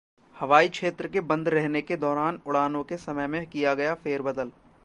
हवाई क्षेत्र के बंद रहने के दौरान उड़ानों के समय में किया गया फेरबदल